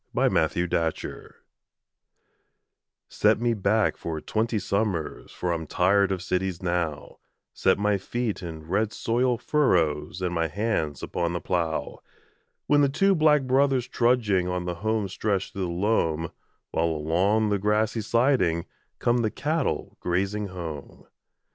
THE SHAKEDOWN ON THE FLOOR Set me back for twenty summers For I'm tired of cities now Set my feet in red soil furrows And my hands upon the plough, With the two 'Black Brothers' trudging On the home stretch through the loam While, along the grassy siding, Come the cattle grazing home.